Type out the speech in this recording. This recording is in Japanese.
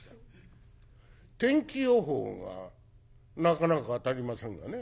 天気予報がなかなか当たりませんがね。